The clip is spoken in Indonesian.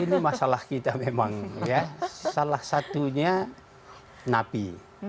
ini masalah kita memang ya salah satunya napi